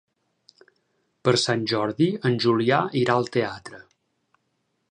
Per Sant Jordi en Julià irà al teatre.